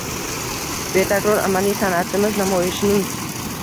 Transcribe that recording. Betakror amaliy san’atimiz namoyishing